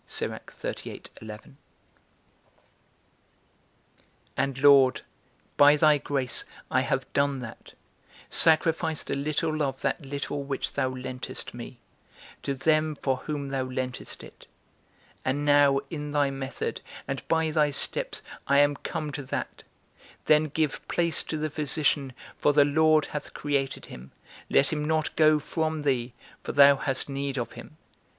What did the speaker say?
And, Lord, by thy grace, I have done that, sacrificed a little of that little which thou lentest me, to them for whom thou lentest it: and now in thy method, and by thy steps, I am come to that, Then give place to the physician, for the Lord hath created him; let him not go from thee, for thou hast need of him.